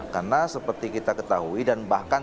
karena seperti kita ketahui dan bahkan